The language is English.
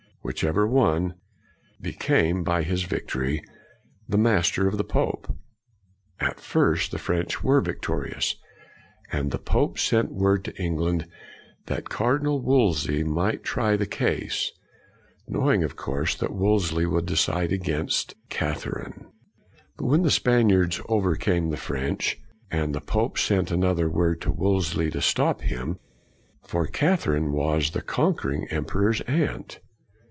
Whichever won became, by his victory, the master of the pope. At first, the CRANMER 77 French were victorious, and the pope sent word to England that Cardinal Wolsey might try the case; knowing, of course, that Wolsey would decide against Cath erine. But then the Spaniards overcame the French, and the pope sent another word to Wolsey to stop him; for Catherine was the conquering emperor's aunt.